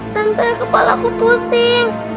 tante tante kepala aku pusing